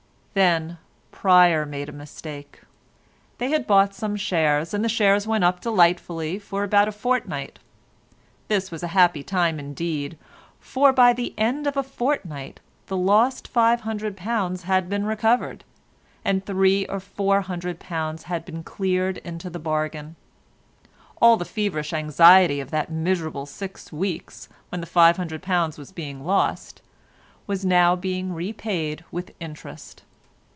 Then Pryer made a mistake. They had bought some shares, and the shares went up delightfully for about a fortnight. This was a happy time indeed, for by the end of a fortnight, the lost £500 had been recovered, and three or four hundred pounds had been cleared into the bargain. All the feverish anxiety of that miserable six weeks, when the £500 was being lost, was now being repaid with interest.